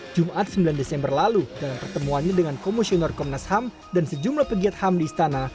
jumat sembilan desember lalu dalam pertemuannya dengan komisioner komnas ham dan sejumlah pegiat ham di istana